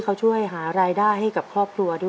เขาช่วยหารายได้ให้กับครอบครัวด้วย